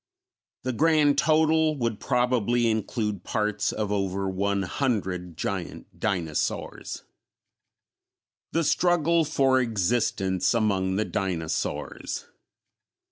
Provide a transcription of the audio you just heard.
The grand total would probably include parts of over one hundred giant dinosaurs. _The Struggle for Existence Among the Dinosaurs.